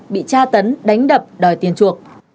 bị tra tấn đánh đập đòi tiền chuộc